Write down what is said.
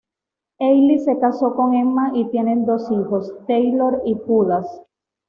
Healy se casó con Emma y tienen dos hijos, Taylor y Judas.